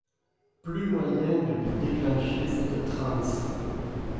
Plus moyen de lui déclencher cette transe.